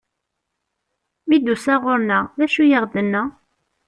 Mi d-tusa ɣur-neɣ, d acu i aɣ-tenna?